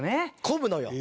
混むのよ。